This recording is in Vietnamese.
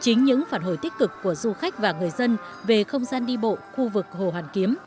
chính những phản hồi tích cực của du khách và người dân về không gian đi bộ khu vực hồ hoàn kiếm